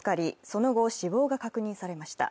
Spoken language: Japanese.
その後、死亡が確認されました。